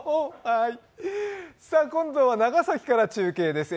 今度は長崎から中継です。